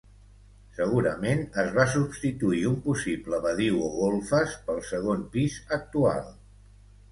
Segurament es va substituir un possible badiu o golfes pel segon pis actual.